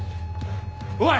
おい！